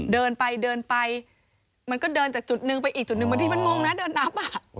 เดินไปเดินไปมันก็เดินจากจุดนึงไปอีกจุดหนึ่งบางทีมันงงนะเดินนับ